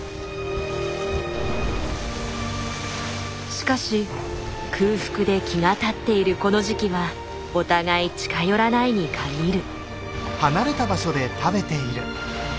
しかし空腹で気が立っているこの時期はお互い近寄らないに限る。